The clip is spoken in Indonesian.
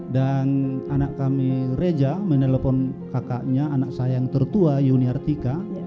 dan anak kami reja menelpon kakaknya anak saya yang tertua yuni artika